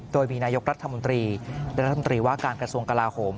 โดยมีนายกรัฐมนตรีและรัฐมนตรีว่าการกระทรวงกลาโหม